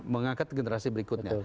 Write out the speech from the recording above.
mengangkat generasi berikutnya